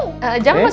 enggak enggak enggak